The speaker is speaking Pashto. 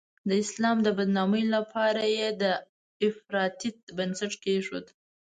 د اسلام د بدنامۍ لپاره یې د افراطیت بنسټ کېښود.